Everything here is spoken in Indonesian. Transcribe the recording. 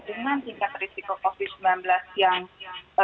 dengan tingkat risiko covid sembilan belas yang